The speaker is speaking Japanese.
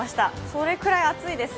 それくらい暑いです。